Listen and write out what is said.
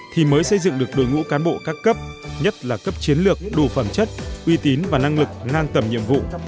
thì mới xây dựng được đội ngũ cán bộ các cấp nhất là cấp chiến lược đủ phẩm chất uy tín và năng lực ngang tầm nhiệm vụ